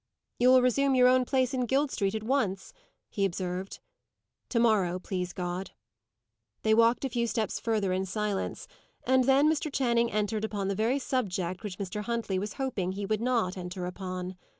"You will resume your own place in Guild Street at once?" he observed. "To morrow, please God." They walked a few steps further in silence; and then Mr. Channing entered upon the very subject which Mr. Huntley was hoping he would not enter upon.